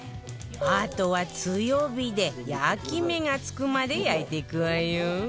あとは強火で焼き目がつくまで焼いていくわよ